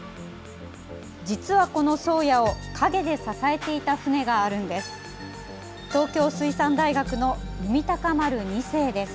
実は、この「宗谷」を陰で支えていた船があるんです。